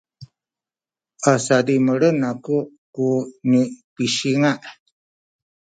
a sadimelen aku ku nipisinga’